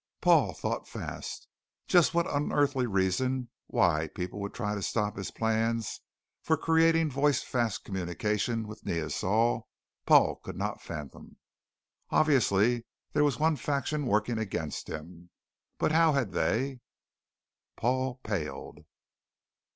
Paul thought fast. Just what unearthly reason why people would try to stop his plans for creating voice fast communications with Neosol, Paul could not fathom. Obviously there was one faction working against him. But how had they Paul paled.